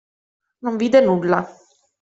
Non vide nulla.